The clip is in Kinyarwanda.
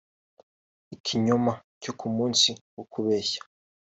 ikinyoma cyo ku munsi wo kubeshya